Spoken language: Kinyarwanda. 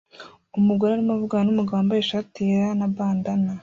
Umugore arimo avugana numugabo wambaye ishati yera na bandanna